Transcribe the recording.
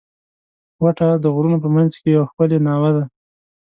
کوټه د غرونو په منځ کښي یوه ښکلې ناوه ده.